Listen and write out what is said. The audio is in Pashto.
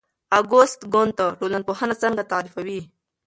اګوست کُنت ټولنپوهنه څنګه تعریفوي؟